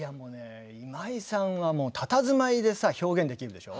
今井さんはたたずまいで表現できるでしょ？